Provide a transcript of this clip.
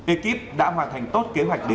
ekip đã hoàn thành tốt